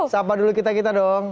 siapa dulu kita kita dong